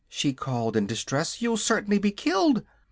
she called, in distress, "you'll certainly be killed."